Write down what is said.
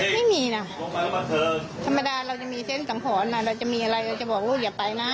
ไม่มีนะธรรมดาเราจะมีเส้นสังหรณ์เราจะมีอะไรเราจะบอกลูกอย่าไปนะ